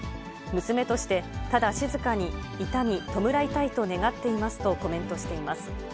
娘として、ただ静かに悼み弔いたいと願っていますとコメントしています。